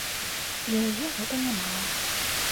Для яе гэта нямала.